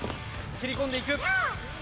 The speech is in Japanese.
切り込んでいく。